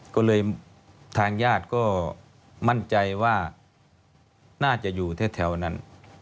ก็เลยทางญาติก็มั่นใจว่าน่าจะอยู่แถวนั้น